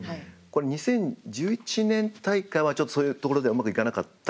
２０１１年大会はちょっとそういうところでうまくいかなかったんですよね？